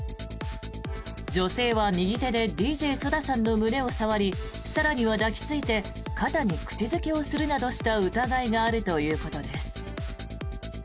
女性は右手でＤＪＳＯＤＡさんの胸を触り更には抱き着いて肩に口付けをするなどした疑いがあるということです。